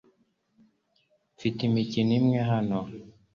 Mfite imikino imwe hano .